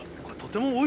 これとても。